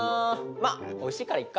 まあおいしいからいっか。